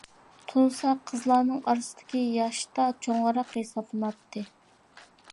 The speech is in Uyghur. تۇنسا قىزلارنىڭ ئارىسىدىكى ياشتا چوڭراق ھېسابلىناتتى.